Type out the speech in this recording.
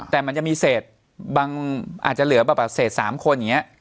แต่มันจะมีเศษบางอาจจะเหลือแบบเศษ๓คนอย่างนี้